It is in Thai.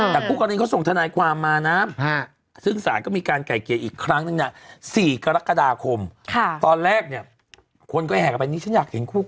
แต่คู่กรณีเขาส่งฐนายค์ความมานะครับฮ่ะ